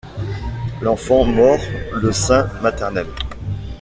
L'enfant mord le sein maternel.